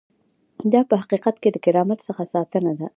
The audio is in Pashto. دا په حقیقت کې د کرامت څخه ساتنه ده.